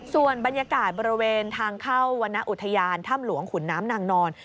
ส่วนบรรยากาศบริเวณทางเข้าวรรณอุทยานถ้ำหลวงขุนน้ำนางนอน